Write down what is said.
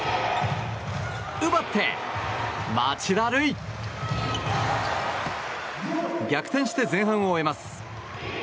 奪って、町田瑠唯。逆転して前半を終えます。